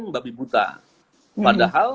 membabi buta padahal